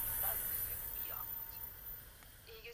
Wataapishwa kwa tarehe zitakazotangazwa baadaye